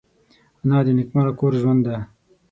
انا د نیکمرغه کور ژوند ده